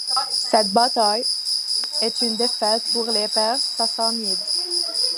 Cette bataille est une défaite pour les Perses sassanides.